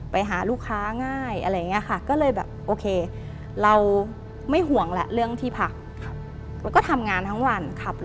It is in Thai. ไปหาลูกค้าง่ายอะไรอย่างนี้ค่ะ